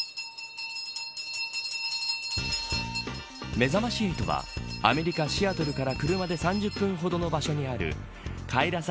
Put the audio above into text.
めざまし８はアメリカ、シアトルから車で３０分ほどの場所にあるカイラサ